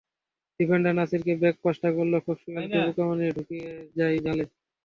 Defender নাসিরের back পাসটা গোলরক্ষক সোহেলকে বোকা বানিয়ে ঢুকে যায় জালে।